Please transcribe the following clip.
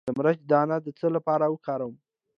د مرچ دانه د څه لپاره وکاروم؟